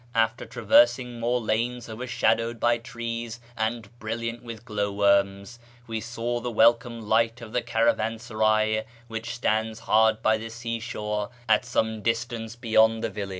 after traversing more lanes overshadowed by trees and brilliant with glow worms, we saw the welcome light of the caravansaray which stands hard by the sea shore at some distance beyond the village.